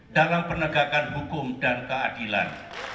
dalam penegakan hukum dan keadilan